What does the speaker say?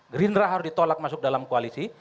gerindra harus ditolak masuk dalam koalisi